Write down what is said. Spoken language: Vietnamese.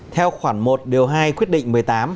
theo khoản một điều hai quyết định một mươi tám